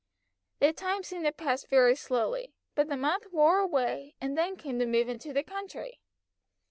The time seemed to pass very slowly, but the month wore away, and then came the move into the country.